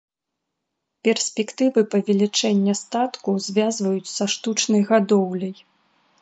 Перспектывы павелічэння статку звязваюць са штучнай гадоўляй.